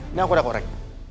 ini aku udah korek